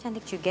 cantik juga ya